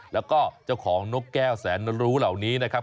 แล้วก็เจ้าของนกแก้วแสนรู้เหล่านี้นะครับ